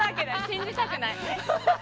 信じたくない。